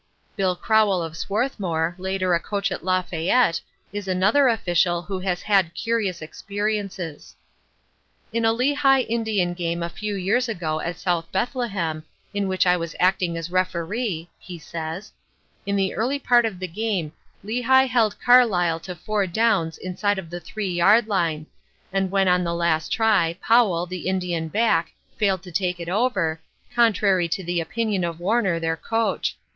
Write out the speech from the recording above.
Bill Crowell of Swarthmore, later a coach at Lafayette, is another official who has had curious experiences. "In a Lehigh Indian game a few years ago at South Bethlehem, in which I was acting as referee," he says, "in the early part of the game Lehigh held Carlisle for four downs inside of the three yard line, and when on the last try, Powell, the Indian back, failed to take it over, contrary to the opinion of Warner, their coach.